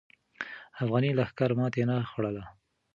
افغاني لښکر ماتې نه خوړله.